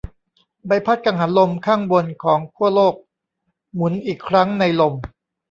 ใบพัดกังหันลมข้างบนของขั้วโลกหมุนอีกครั้งในลม